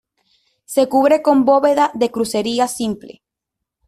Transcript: Se cubre con bóveda de crucería simple.